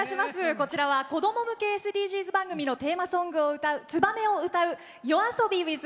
こちらは子ども向けＳＤＧｓ番組のテーマソング「ツバメ」を歌うＹＯＡＳＯＢＩｗｉｔｈ